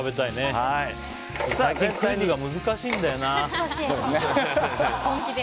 クイズが難しいんだよな。